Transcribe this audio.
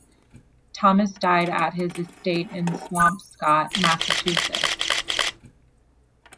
Thomson died at his estate in Swampscott, Massachusetts.